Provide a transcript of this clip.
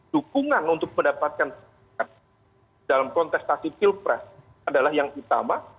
dukungan untuk mendapatkan dalam kontestasi pilpres adalah yang utama